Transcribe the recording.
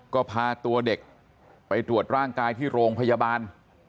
ก็พาตัวเด็กไปตรวจร่างกายที่โรงพยาบาล